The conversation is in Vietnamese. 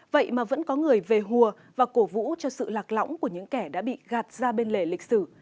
vậy mà vẫn có người về hùa và cổ vũ cho sự lạc lõng của những kẻ đã bị gạt ra bên lề lịch sử